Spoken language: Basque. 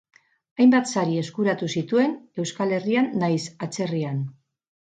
Hainbat sari eskuratu zituen, Euskal Herrian nahiz atzerrian.